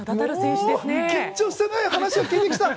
緊張して話を聞いてきた！